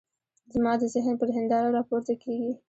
زما د ذهن پر هنداره را پورته کېږي.